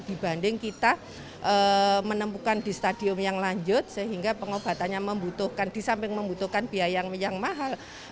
dibanding kita menemukan di stadium yang lanjut sehingga pengobatannya disamping membutuhkan biaya yang mahal